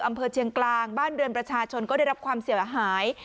เชียงกลางบ้านเรือนประชาชนก็ได้รับความเสียหาย